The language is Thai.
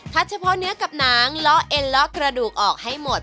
เฉพาะเนื้อกับหนังล้อเอ็นเลาะกระดูกออกให้หมด